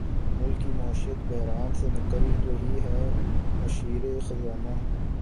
ملک کی معیشت بحران سے نکل رہی ہے مشیر خزانہ